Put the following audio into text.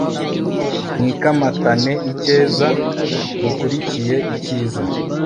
mwikamatane icyeza, mukurikiye icyiza